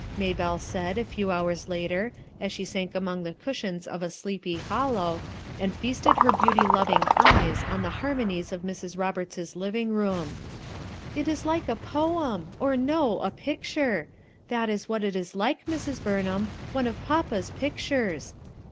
n Maybelle said, a few hours later, as she sank among the cushions of a "Sleepy Hollow" and feasted her beauty loving eyes on the harmonies of Mrs. Roberts's living room, "It is like a poem, or no, a pic ture ; that is what it is like, Mrs. Burnham ; one "A STUDY" 270 of papa's pictures.